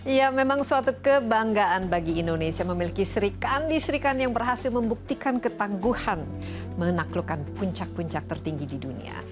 ya memang suatu kebanggaan bagi indonesia memiliki serikandi serikan yang berhasil membuktikan ketangguhan menaklukkan puncak puncak tertinggi di dunia